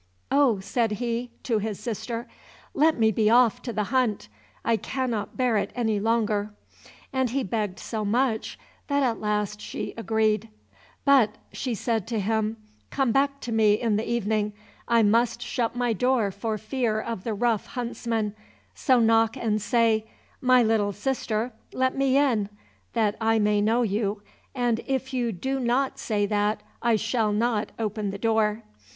"Oh," said he, to his sister, "let me be off to the hunt, I cannot bear it any longer;" and he begged so much that at last she agreed. "But," said she to him, "come back to me in the evening; I must shut my door for fear of the rough huntsmen, so knock and say, 'My little sister, let me in!' that I may know you; and if you do not say that, I shall not open the door."